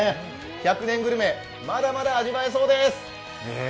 １００年グルメ、まだまだ味わえそうです。